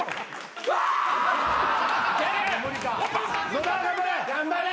野田頑張れ！